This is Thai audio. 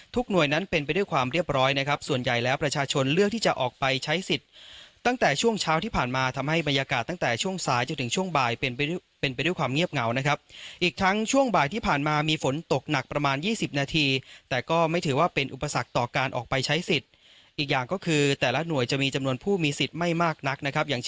ทั้งหน่วยนั้นเป็นไปด้วยความเรียบร้อยนะครับส่วนใหญ่แล้วประชาชนเลือกที่จะออกไปใช้สิทธิ์ตั้งแต่ช่วงเช้าที่ผ่านมาทำให้บรรยากาศตั้งแต่ช่วงสายจนถึงช่วงบ่ายเป็นไปเป็นไปด้วยความเงียบเหงานะครับอีกทั้งช่วงบ่ายที่ผ่านมามีฝนตกหนักประมาณ๒๐นาทีแต่ก็ไม่ถือว่าเป็นอุปสรรคต่อการออกไปใช้สิทธิ์อีก